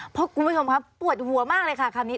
เพราะคุณผู้ชมครับปวดหัวมากเลยค่ะคำนี้